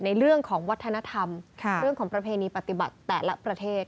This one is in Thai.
ในเรื่องของวัฒนธรรมเรื่องของประเพณีปฏิบัติแต่ละประเทศ